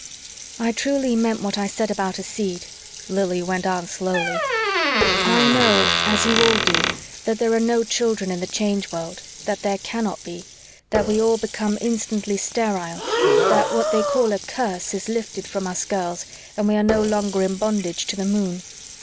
"I truly meant what I said about a seed," Lili went on slowly. "I know, as you all do, that there are no children in the Change World, that there cannot be, that we all become instantly sterile, that what they call a curse is lifted from us girls and we are no longer in bondage to the moon."